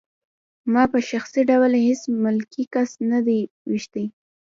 ما په شخصي ډول هېڅ ملکي کس نه دی ویشتی